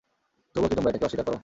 তবুও কি তোমরা এটাকে অস্বীকার কর?